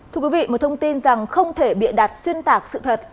thưa quý vị một thông tin rằng không thể bịa đặt xuyên tạc sự thật